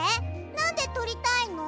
なんでとりたいの？